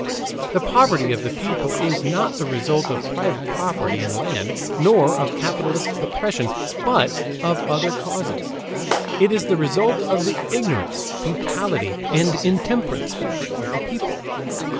The poverty of the people is not the result of private property in land, nor of capitalistic oppression, but of other causes: it is the result of the ignorance, brutality, and intemperance of the people.